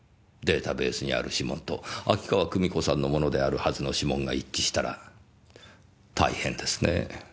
データベースにある指紋と秋川久美子さんのものであるはずの指紋が一致したら大変ですねぇ。